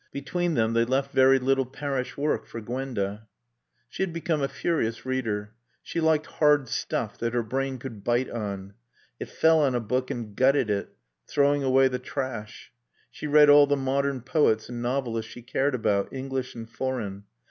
Between them they left very little parish work for Gwenda. She had become a furious reader. She liked hard stuff that her brain could bite on. It fell on a book and gutted it, throwing away the trash. She read all the modern poets and novelists she cared about, English and foreign.